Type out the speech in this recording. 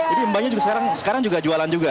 ini mbaknya juga sekarang juga jualan juga